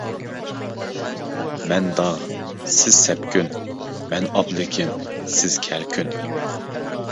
مەن داغ، سىز سەپكۈن، مەن ئابلىكىم، سىز كەلكۈن.